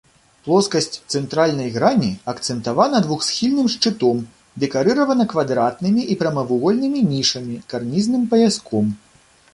Плоскасць цэнтральнай грані акцэнтавана двухсхільным шчытом, дэкарыравана квадратнымі і прамавугольнымі нішамі, карнізным паяском.